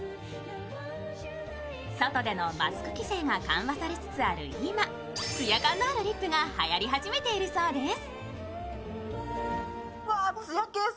外でのマスク規制が緩和されつつある今、つや感のあるリップが、はやり始めているそうです。